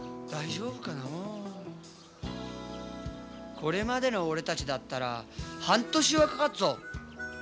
これまでの俺たちだったら半年はかかるぞ。